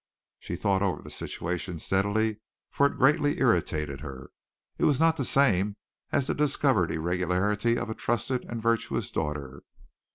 She thought over the situation steadily for it greatly irritated her. It was not the same as the discovered irregularity of a trusted and virtuous daughter.